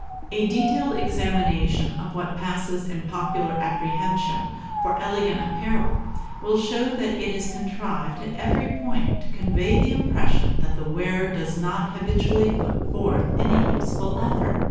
A detailed examination of what passes in popular apprehension for elegant apparel will show that it is contrived at every point to convey the impression that the wearer does not habitually put forth any useful effort.